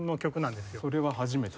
それは初めて。